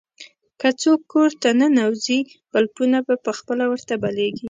که څوک کور ته ننوځي، بلپونه په خپله ورته بلېږي.